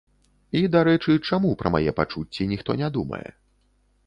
І, дарэчы, чаму пра мае пачуцці ніхто не думае?